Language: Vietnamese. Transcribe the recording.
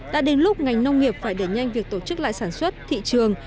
đã đến lúc ngành nông nghiệp phải để nhanh việc tổ chức lại sản xuất thị trường